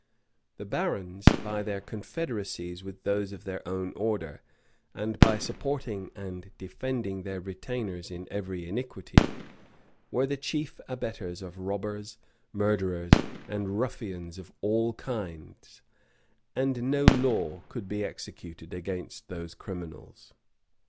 The barons, by their confederacies with those of their own order, and by supporting and defending their retainers in every iniquity,[] were the chief abettors of robbers, murderers, and ruffians of all kinds; and no law could be executed against those criminals.